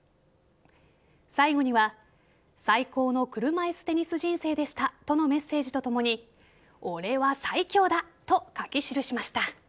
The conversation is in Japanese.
最後には最高の車いすテニス人生でしたとのメッセージとともに俺は最強だと書き記しました。